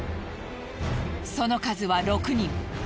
その数は６人。